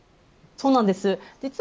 そうなんです。